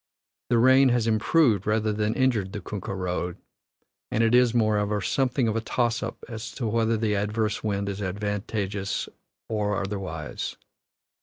The rain has improved rather than injured the kunkah road, and it is, moreover, something of a toss up as to whether the adverse wind is advantageous or otherwise.